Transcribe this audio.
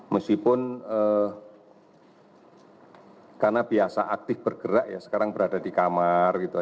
meskipun karena biasa aktif bergerak sekarang berada di kamar lama lama bosen juga